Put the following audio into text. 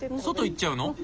外行っちゃうの？